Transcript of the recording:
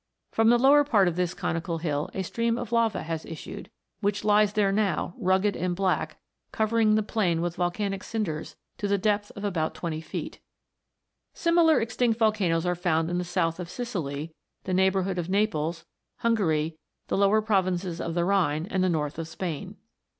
From the lower part of this conical hill a stream of lava has PLUTO'S KINGDOM. 307 issued, which lies there now, rugged and black, covering the plain with volcanic cinders to the depth of about twenty feet. Similar extinct volcanoes are found in the south of Sicily, the neighbourhood of Naples, Hungary, the lower provinces of the Rhine, and the north of Spain.